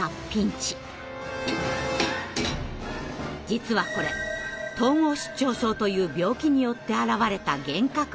実はこれ「統合失調症」という病気によって現れた幻覚なんです。